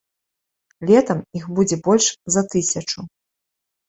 Летам іх будзе больш за тысячу.